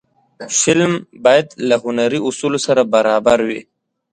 فلم باید له هنري اصولو سره برابر وي